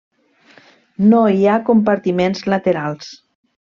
No hi ha compartiments laterals.